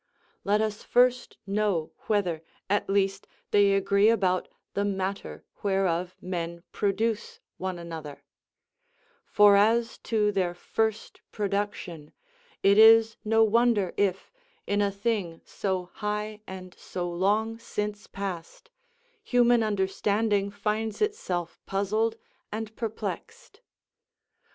Let us first know whether, at least, they agree about the matter whereof men produce one another; for as to their first production it is no wonder if, in a thing so high and so long since past, human understanding finds itself puzzled and perplexed.